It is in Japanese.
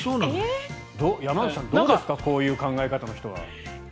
山口さん、どうですかこういう考え方の人は。